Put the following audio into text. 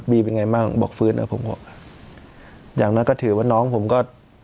เป็นไงบ้างบอกฟื้นแล้วผมก็อย่างนั้นก็ถือว่าน้องผมก็